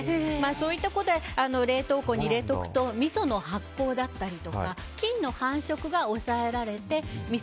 そういったことで冷凍庫に入れておくとみその発酵だったり菌の繁殖が抑えられてみ